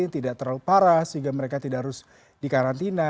tidak terlalu parah sehingga mereka tidak harus dikarantina